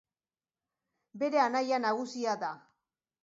Bere anaia nagusia da.